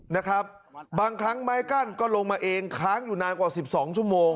นะครับบางครั้งไม้กั้นก็ลงมาเองค้างอยู่นานกว่าสิบสองชั่วโมง